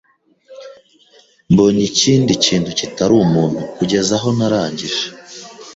mbonye ikindi kintu kitari umuntu kugeza aho narangije